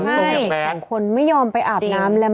ให้คุณก่อนไม่ยอมไปอาบน้ำและ